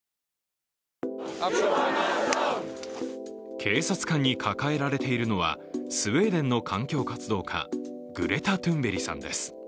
警察官に抱えられているのはスウェーデンの環境活動家グレタ・トゥンベリさんです。